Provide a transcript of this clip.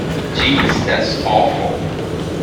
Jeez, that's awful!